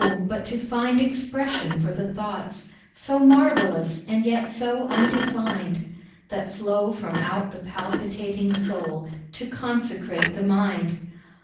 but to find expression for the thoughts, So marvellous and yet so undefined, That flow from out the palpitating soul To consecrate the mind.